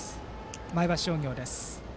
前橋商業です。